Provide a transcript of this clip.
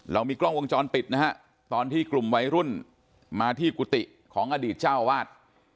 เรามีกล้องวงจรปิดนะฮะตอนที่กลุ่มวัยรุ่นมาที่กุฏิของอดีตเจ้าวาด